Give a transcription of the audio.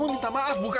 mana ada yang nyerangnya